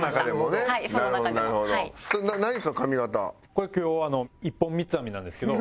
これ今日１本三つ編みなんですけど。